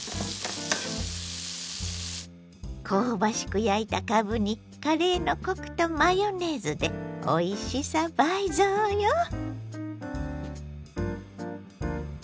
香ばしく焼いたかぶにカレーのコクとマヨネーズでおいしさ倍増よ！